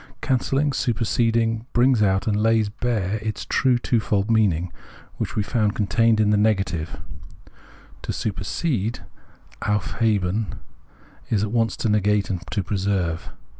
Cancelhng, superseding, brings out and lays bare its true twofold meaning which we Perception 107 found contained in the negative : to supersede {auf heben) is at once to negate and to preserve.